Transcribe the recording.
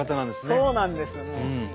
そうなんですもう。